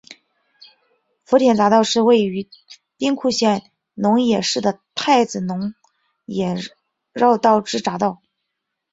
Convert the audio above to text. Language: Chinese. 福田匝道是位于兵库县龙野市的太子龙野绕道之匝道。